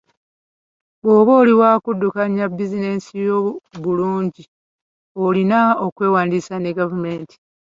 Bwoba oli wa kuddukanya bizinensi yo bulungi, olina okwewandiisa ne gavumenti.